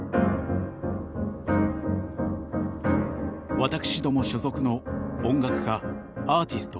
私ども所属の音楽家アーティスト